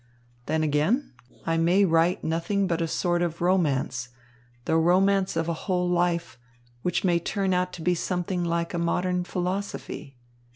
Then again, I may write nothing but a sort of romance, the romance of a whole life, which may turn out to be something like a modern philosophy.